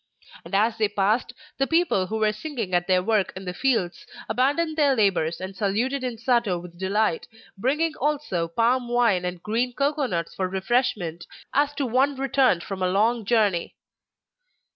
And as they passed, the people who were singing at their work in the fields, abandoned their labours and saluted Insato with delight, bringing also palm wine and green cocoanuts for refreshment, as to one returned from a long journey.